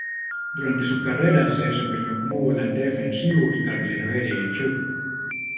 Durante su carrera se desempeñó como volante defensivo y carrilero derecho.